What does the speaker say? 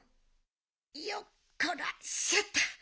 よっこらせっと。